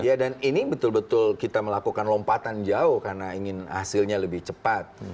ya dan ini betul betul kita melakukan lompatan jauh karena ingin hasilnya lebih cepat